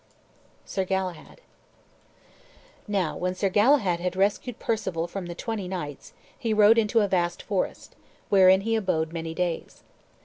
SIR GALAHAD Now, when Sir Galahad had rescued Perceval from the twenty knights, he rode into a vast forest, wherein he abode many days.